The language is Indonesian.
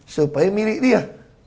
supaya milik dia